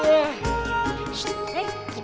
hahaha gini diem